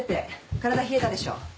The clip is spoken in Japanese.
体冷えたでしょ。